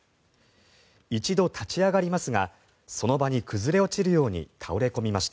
一度立ち上がりますがその場に崩れ落ちるように倒れ込みました。